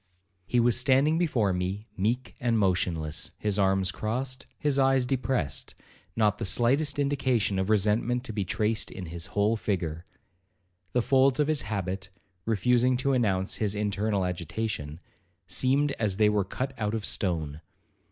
He was standing before me meek and motionless, his arms crossed, his eyes depressed, not the slightest indication of resentment to be traced in his whole figure. The folds of his habit, refusing to announce his internal agitation, seemed as they were cut out of stone.